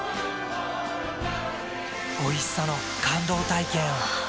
おいしさの感動体験を。